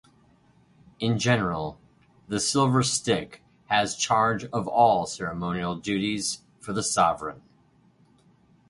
In general, the Silver Stick has charge of all ceremonial duties for the Sovereign.